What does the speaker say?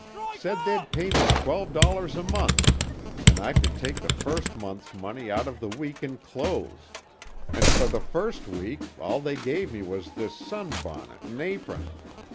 Said they'd pay me twelve dollars a month, an' I could take the first month's money out by the week in clothes, an' for the first week all they gave me was this sunbonnet an' apron.